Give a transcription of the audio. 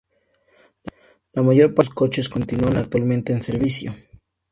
La mayor parte de estos coches continúan actualmente en servicio.